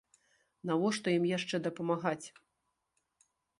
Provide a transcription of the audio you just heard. Навошта ім яшчэ дапамагаць!